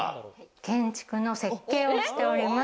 建築の設計をしております。